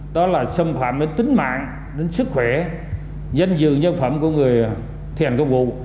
đó là xâm phạm đến tính mạng đến sức khỏe danh dự nhân phẩm của người thành công vụ